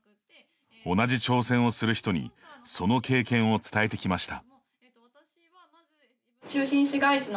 同じ挑戦をする人にその経験を伝えてきました。